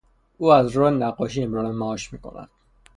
او از راه نقاشی امرار معاش میکند.